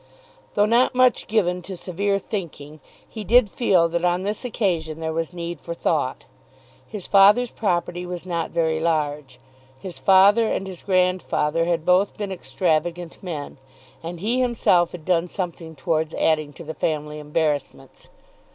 Though not much given to severe thinking, he did feel that on this occasion there was need for thought. His father's property was not very large. His father and his grandfather had both been extravagant men, and he himself had done something towards adding to the family embarrassments.